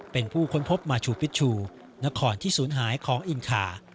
เป็นผู้ค้นพบมาชูปิชชูนครที่ศูนย์หายของอินคา